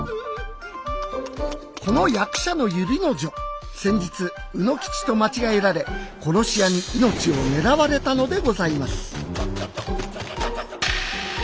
この役者の由利之丞先日卯之吉と間違えられ殺し屋に命をねらわれたのでございます。